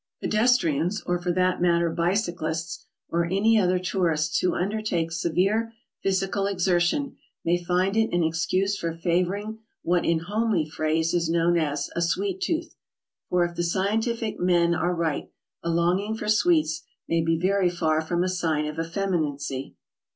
Pedestrians, or for that matter bicyclists or any other tourists who undertake severe physical exertion, may find in it an excuse for favoring what in homely phrase is known as "a sweet tooth," for if the scientific men are right, a longing for sweets may be very far from a sign of effeminacy.